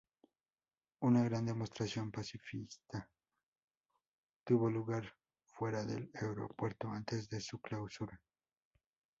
Una gran demostración pacifista tuvo lugar fuera del aeropuerto antes de su clausura.